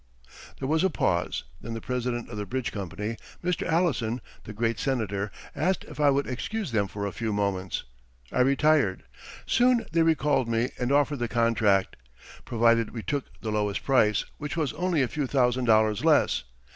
There was a pause; then the president of the bridge company, Mr. Allison, the great Senator, asked if I would excuse them for a few moments. I retired. Soon they recalled me and offered the contract, provided we took the lower price, which was only a few thousand dollars less.